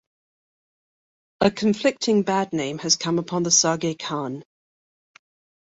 A conflicting bad name has come upon the Sage Khan.